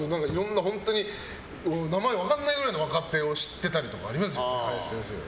名前分かんないくらいの若手を知ってたりとかありますよね